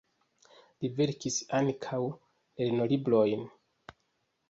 Li verkis ankaŭ lernolibrojn.